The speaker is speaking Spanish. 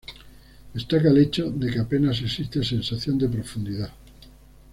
Destaca el hecho de que apenas existe sensación de profundidad.